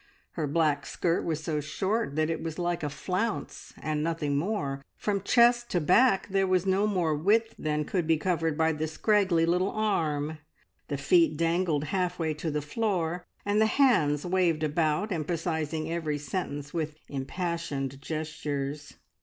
Her black skirt was so short that it was like a flounce, and nothing more; from chest to back there was no more width than could be covered by the scraggy little arm, the feet dangled half way to the floor, and the hands waved about, emphasising every sentence with impassioned gestures.